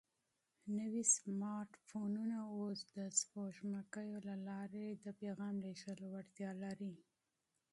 نوي سمارټ فونونه اوس د سپوږمکیو له لارې د پیغام لېږلو وړتیا لري.